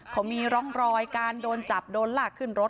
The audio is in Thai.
เขามีร่องรอยการโดนจับโดนลากขึ้นรถ